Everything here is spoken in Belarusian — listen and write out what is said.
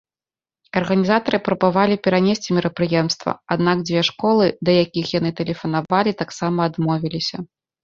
Арганізатары прабавалі перанесці мерапрыемства, аднак дзве школы, да якіх яны тэлефанавалі, таксама адмовіліся.